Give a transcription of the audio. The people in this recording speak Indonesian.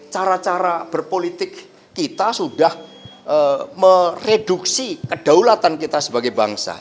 cara cara berpolitik kita sudah mereduksi kedaulatan kita sebagai bangsa